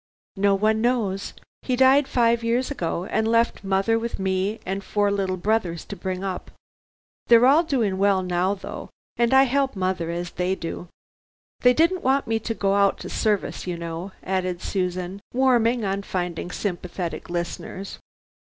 "No one knows. He died five years ago, and left mother with me and four little brothers to bring up. They're all doing well now, though, and I help mother, as they do. They didn't want me to go out to service, you know," added Susan, warming on finding sympathetic listeners.